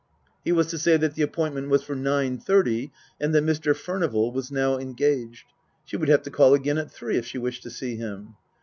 He was to say that the appointment was for nine thirty and that Mr. Furnival was now engaged. She would have to call again at three if she wished to see him.